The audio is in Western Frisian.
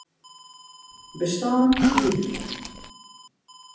Bestân iepenje.